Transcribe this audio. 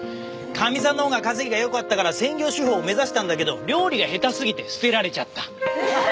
かみさんのほうが稼ぎがよかったから専業主夫を目指したんだけど料理が下手すぎて捨てられちゃった。